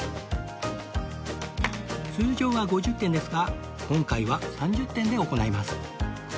通常は５０点ですが今回は３０点で行います